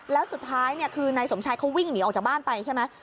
แล้วสุดท้ายคือนายสมชายเขาวิ่งหนีออกจากบ้านไปใช่ไหม